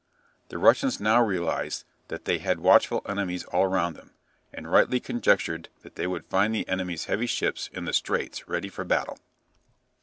The Russians now realized that they had watchful enemies all round them, and rightly conjectured that they would find the enemy's heavy ships in the straits ready for battle.